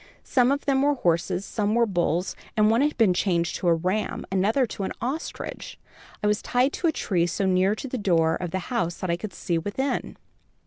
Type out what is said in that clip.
Some of them were horses, some were bulls, and one had been changed to a ram, another to an ostrich. I was tied to a tree so near to the door of the house, that I could see within.